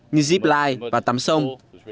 như zipline và tắm sông